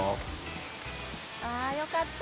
よかった。